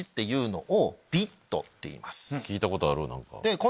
聞いたことある。